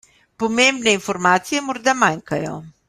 Pomembne informacije morda manjkajo.